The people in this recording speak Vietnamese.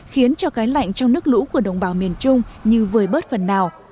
khiến cho cái lạnh trong nước lũ của đồng bào miền trung như vời bớt phần nào